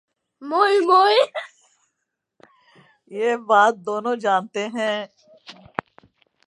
یہ بات دونوں جا نتے ہیں۔